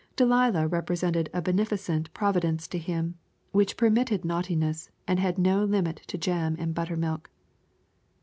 Delilah represented a beneficent Providence to him, which permitted naughtiness, and had no limit to jam and buttermilk.